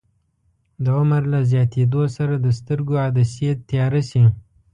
د عمر له زیاتیدو سره د سترګو عدسیې تیاره شي.